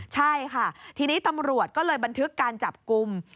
ใช่ค่ะทีนี้ตำรวจก็เลยบันทึกการจับกลุ่ม